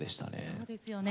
そうですよね。